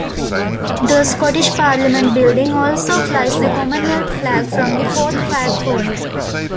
The Scottish Parliament Building also flies the Commonwealth flag from the fourth flagpole.